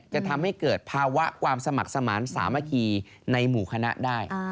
จะทำให้เกิดภาวะความสมัครสมาธิสามัคคีในหมู่คณะได้